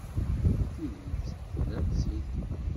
Tidet, tennam-tt-id.